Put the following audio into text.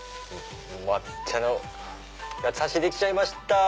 抹茶の八つ橋できちゃいました！